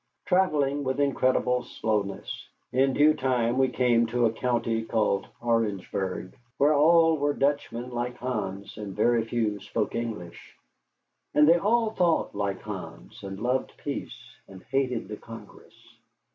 Travelling with incredible slowness, in due time we came to a county called Orangeburg, where all were Dutchmen like Hans, and very few spoke English. And they all thought like Hans, and loved peace, and hated the Congress.